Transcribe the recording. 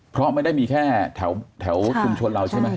เพราะไม่ได้มีแค่แถวชุมชนเราใช่ไหม